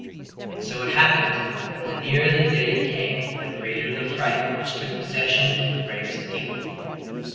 And so it happened that the nearer the day came the greater the fright which took possession of the bravest people.